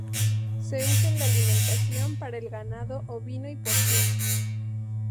Se usa en alimentación para el ganado ovino y porcino.